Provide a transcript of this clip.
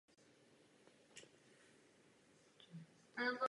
To mohu jen potvrdit.